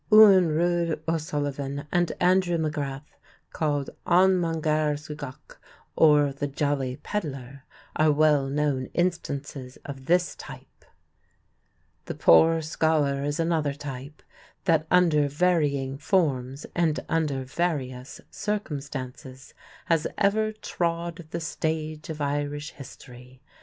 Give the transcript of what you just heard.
Eoghan Ruadh O'Sullivan and Andrew MacGrath, called An Mangaire Sugach or "the Jolly Pedlar," are well known instances of this type. The poor scholar is another type that under varying forms and under various circumstances has ever trod the stage of Irish history.